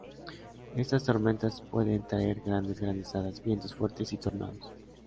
Estas tormentas pueden traer grandes granizadas, vientos fuertes y tornados.